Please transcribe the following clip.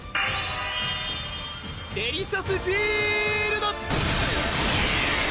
デリシャスフィールド！